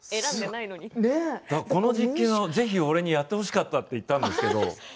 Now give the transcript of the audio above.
この実験はぜひ俺にやってほしかったと言ったんですけどね。